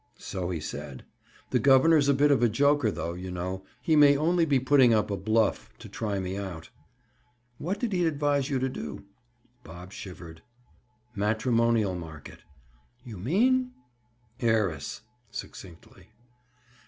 "So he said. The governor's a bit of a joker though, you know. He may be only putting up a bluff to try me out." "What did he advise you to do?" Bob shivered. "Matrimonial market." "You mean—?" "Heiress." Succinctly.